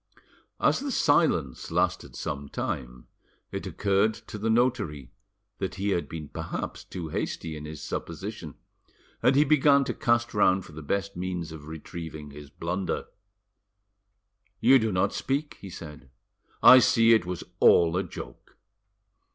As the silence lasted some time, it occurred to the notary that he had been perhaps too hasty in his supposition, and he began to cast round for the best means of retrieving his blunder. "You do not speak," he said; "I see it was all a joke."